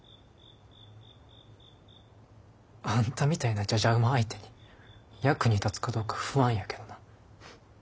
あんたみたいなじゃじゃ馬相手に役に立つかどうか不安やけどな。